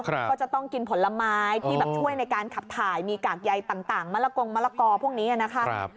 ก็จะต้องกินผลไม้ที่แบบช่วยในการขับถ่ายมีกากใยต่างมะละกงมะละกอพวกนี้นะคะ